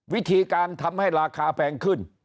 วิธีการทำให้ราคาแพงขึ้น